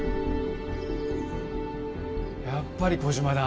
やっぱり小島だ。